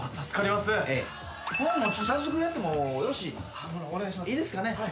いいですかね？